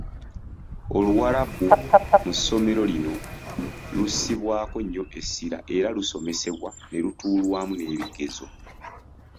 Oluwarabu mu ssomero lino lussibwako nnyo essira era lusomesebwa ne lutuulwamu n'ebigezo.